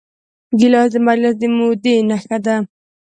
ګیلاس د مجلس د مودې نښه ده.